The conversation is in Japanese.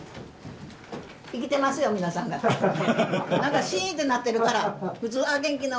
生きてますよ、皆さん方。なんかしーんってなってるから、普通、ああ、元気な。